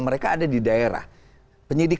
mereka ada di daerah penyidik